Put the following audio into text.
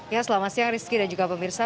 ya selamat siang rizky dan juga pemirsa